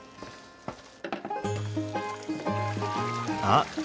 あっ！